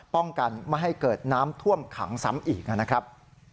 ป้องกันไม่ให้เกิดน้ำท่วมขังซ้ำอีกนะครับ